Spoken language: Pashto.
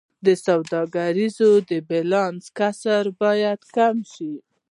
د سوداګریز بیلانس کسر باید کم شي